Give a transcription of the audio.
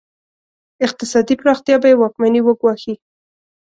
اقتصادي پراختیا به یې واکمني وګواښي.